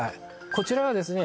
こちらはですね